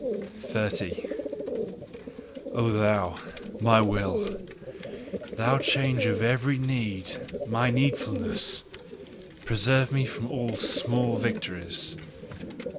30. O thou, my Will! Thou change of every need, MY needfulness! Preserve me from all small victories!